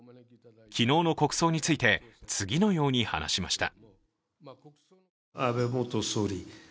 昨日の国葬について、次のように話しました。